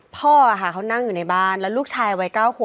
พ่อค่ะเขานั่งอยู่ในบ้านแล้วลูกชายวัยเก้าหัว